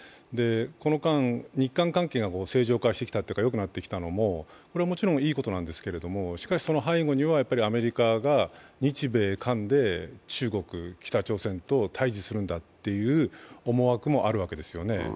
この間、日韓関係が正常化してきたというか、よくなってきたのはもちろんいいことなんですけど、しかしその背後にはアメリカが日米韓で中国・北朝鮮と対峙するんだという思惑もあるわけですよね。